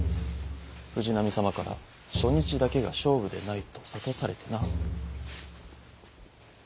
藤波様から初日だけが勝負でないと諭されてな。